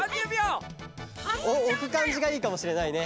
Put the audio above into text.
おくかんじがいいかもしれないね。